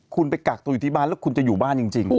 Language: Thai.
คุณไปกักตัวอยู่ที่บ้านแล้วคุณจะอยู่บ้านจริง